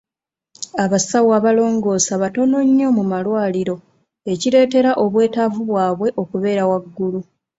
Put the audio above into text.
Abasawo abalongoosa batono nnyo mu malwaliro ekireetera obwetaavu bwabwe okubeera waggulu.